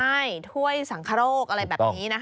ใช่ถ้วยสังครกอะไรแบบนี้